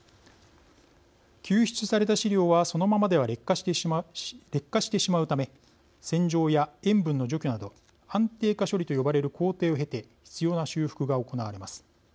救出された資料はそのままでは劣化してしまうため洗浄や塩分の除去など安定化処理と呼ばれる工程を経て必要な修復が行われます。